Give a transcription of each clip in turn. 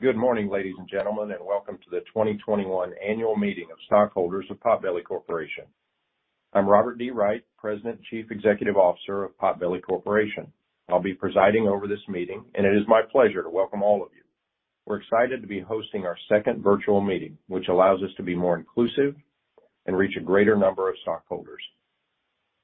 Good morning, ladies and gentlemen, and welcome to the 2021 annual meeting of stockholders of Potbelly Corporation. I'm Robert D. Wright, President and Chief Executive Officer of Potbelly Corporation. I'll be presiding over this meeting, and it is my pleasure to welcome all of you. We're excited to be hosting our second virtual meeting, which allows us to be more inclusive and reach a greater number of stockholders.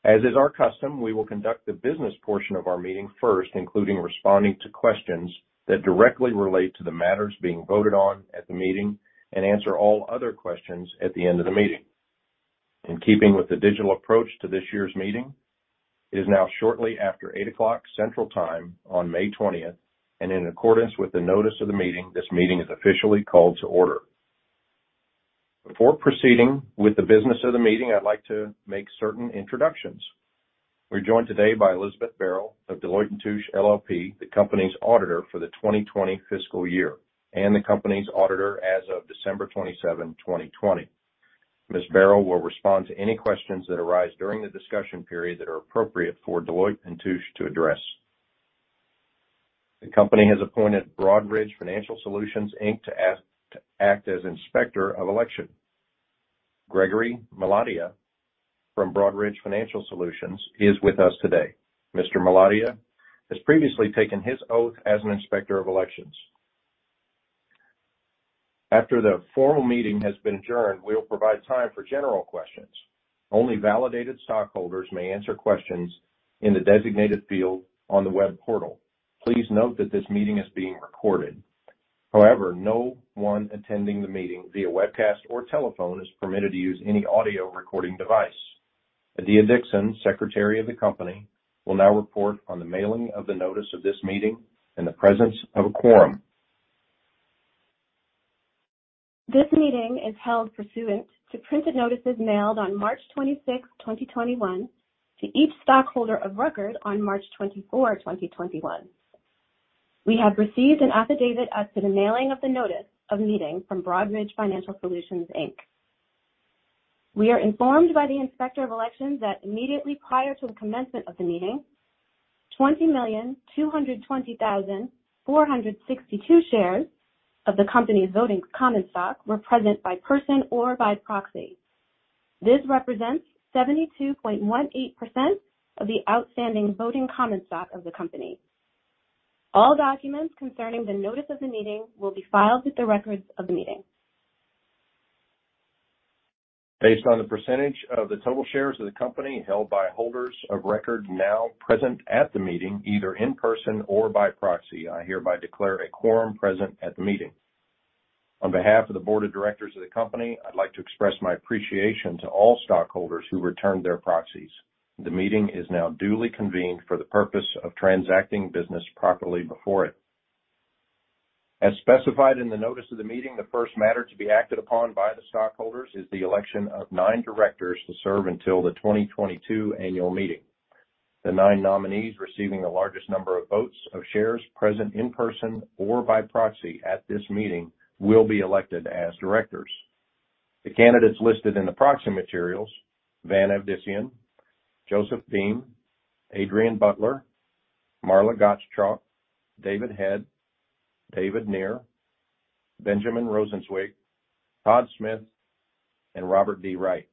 As is our custom, we will conduct the business portion of our meeting first, including responding to questions that directly relate to the matters being voted on at the meeting and answer all other questions at the end of the meeting. In keeping with the digital approach to this year's meeting, it is now shortly after 8:00 Central Time on May 20th, and in accordance with the notice of the meeting, this meeting is officially called to order. Before proceeding with the business of the meeting, I'd like to make certain introductions. We're joined today by Elizabeth Barrow of Deloitte & Touche LLP, the company's auditor for the 2020 fiscal year and the company's auditor as of December 27, 2020. Ms. Barrow will respond to any questions that arise during the discussion period that are appropriate for Deloitte & Touche to address. The company has appointed Broadridge Financial Solutions, Inc. to act as Inspector of Election. Gregory Melodia from Broadridge Financial Solutions is with us today. Mr. Melodia has previously taken his oath as an Inspector of Elections. After the formal meeting has been adjourned, we will provide time for general questions. Only validated stockholders may answer questions in the designated field on the web portal. Please note that this meeting is being recorded. However, no one attending the meeting via webcast or telephone is permitted to use any audio recording device. Adiya Dixon, Secretary of the company, will now report on the mailing of the notice of this meeting and the presence of a quorum. This meeting is held pursuant to printed notices mailed on March 26, 2021, to each stockholder of record on March 24, 2021. We have received an affidavit as to the mailing of the notice of the meeting from Broadridge Financial Solutions, Inc. We are informed by the Inspector of Elections that immediately prior to the commencement of the meeting, 20,220,462 shares of the company's voting common stock were present by person or by proxy. This represents 72.18% of the outstanding voting common stock of the company. All documents concerning the notice of the meeting will be filed with the records of the meeting. Based on the percentage of the total shares of the company held by holders of record now present at the meeting, either in person or by proxy, I hereby declare a quorum present at the meeting. On behalf of the Board of Directors of the company, I'd like to express my appreciation to all stockholders who returned their proxies. The meeting is now duly convened for the purpose of transacting business properly before it. As specified in the notice of the meeting, the first matter to be acted upon by the stockholders is the election of nine directors to serve until the 2022 annual meeting. The nine nominees receiving the largest number of votes of shares present in person or by proxy at this meeting will be elected as directors. The candidates listed in the proxy materials, Vann Avedisian, Joseph Boehm, Adrian Butler, Marla Gottschalk, David Head, David Near, Benjamin Rosenzweig, Todd Smith, and Robert D. Wright,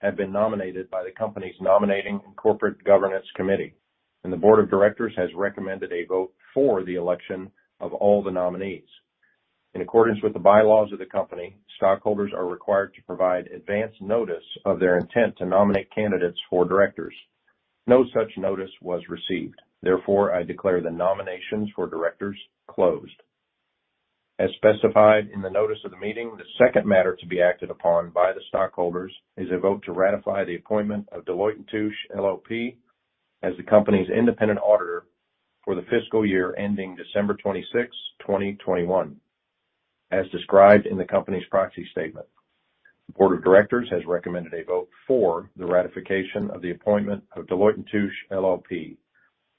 have been nominated by the company's Nominating and Corporate Governance Committee. The Board of Directors has recommended a vote for the election of all the nominees. In accordance with the bylaws of the company, stockholders are required to provide advance notice of their intent to nominate candidates for directors. No such notice was received. Therefore, I declare the nominations for directors closed. As specified in the notice of the meeting, the second matter to be acted upon by the stockholders is a vote to ratify the appointment of Deloitte & Touche LLP as the company's independent auditor for the fiscal year ending December 26, 2021, as described in the company's proxy statement. The Board of Directors has recommended a vote for the ratification of the appointment of Deloitte & Touche LLP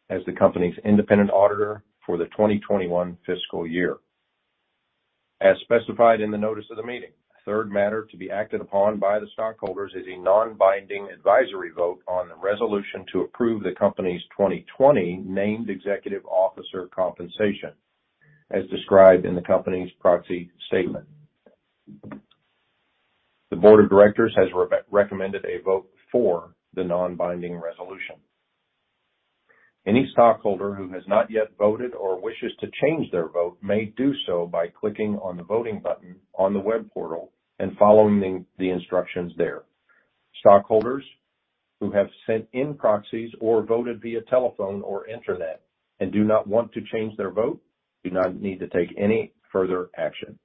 as the company's independent auditor for the 2021 fiscal year. As specified in the notice of the meeting, the third matter to be acted upon by the stockholders is a non-binding advisory vote on the resolution to approve the company's 2020 named executive officer compensation, as described in the company's proxy statement. The Board of Directors has recommended a vote for the non-binding resolution. Any stockholder who has not yet voted or wishes to change their vote may do so by clicking on the voting button on the web portal and following the instructions there. Stockholders who have sent in proxies or voted via telephone or internet and do not want to change their vote do not need to take any further action.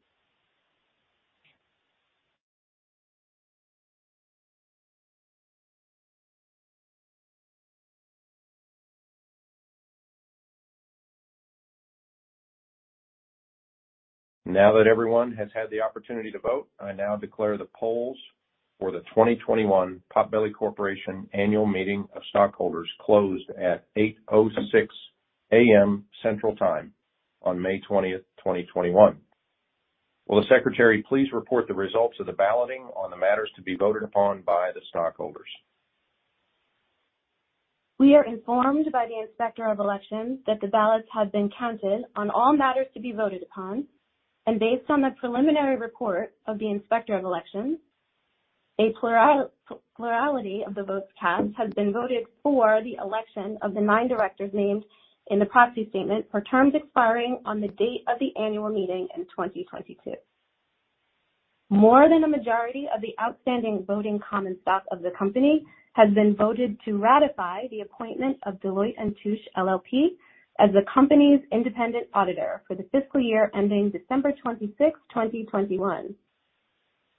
Now that everyone has had the opportunity to vote, I now declare the polls for the 2021 Potbelly Corporation Annual Meeting of Stockholders closed at 8:06 A.M. Central Time on May 20th, 2021. Will the secretary please report the results of the balloting on the matters to be voted upon by the stockholders? We are informed by the Inspector of Elections that the ballots have been counted on all matters to be voted upon. Based on the preliminary report of the Inspector of Elections, a plurality of the votes cast has been voted for the election of the nine directors named in the proxy statement for terms expiring on the date of the annual meeting in 2022. More than a majority of the outstanding voting common stock of the company has been voted to ratify the appointment of Deloitte & Touche LLP as the company's independent auditor for the fiscal year ending December 26, 2021.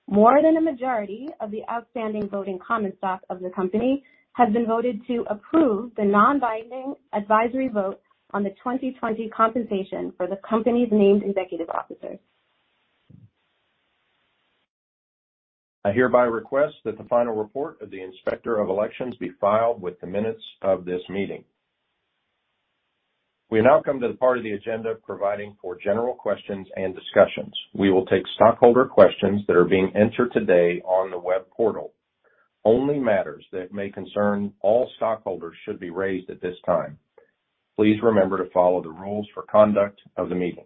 More than a majority of the outstanding voting common stock of the company has been voted to approve the non-binding advisory votes on the 2020 compensation for the company's named executive officers. I hereby request that the final report of the Inspector of Elections be filed with the minutes of this meeting. We now come to the part of the agenda providing for general questions and discussions. We will take stockholder questions that are being entered today on the web portal. Only matters that may concern all stockholders should be raised at this time. Please remember to follow the rules for conduct of the meeting.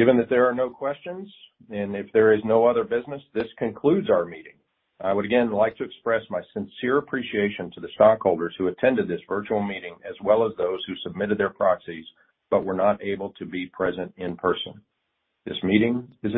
Given that there are no questions, and if there is no other business, this concludes our meeting. I would again like to express my sincere appreciation to the stockholders who attended this virtual meeting, as well as those who submitted their proxies but were not able to be present in person. This meeting now.